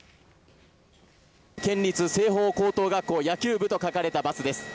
県立青豊高等学校野球部と書かれたバスです。